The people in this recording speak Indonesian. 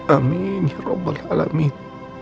amin ya rabbal alamin